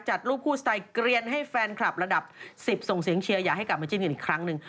จัดรูปคู่สไตล์เกลียนให้แฟนคลับระดับ๑๐ส่งเสียงเชียร์อยากให้กลับมาจิ้นกันอีกครั้งหนึ่ง